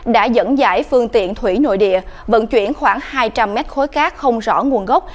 đã dẫn dãi phương tiện thủy nội địa vận chuyển khoảng hai trăm linh mét khối cát không rõ nguồn gốc